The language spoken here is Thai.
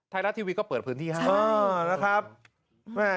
ไทยรัฐทีวีก็เปิดพื้นที่ให้เออนะครับแม่